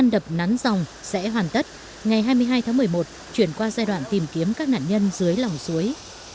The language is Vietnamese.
đập nắn dòng sẽ hoàn tất ngày hai mươi hai tháng một mươi một chuyển qua giai đoạn tìm kiếm các nạn nhân dưới lòng suối